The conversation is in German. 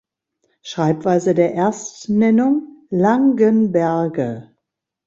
Schreibweise der Erstnennung: "Langenberge".